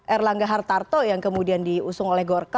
erlangga hartarto yang kemudian diusung oleh golkar